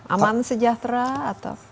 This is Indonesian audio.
aman sejahtera atau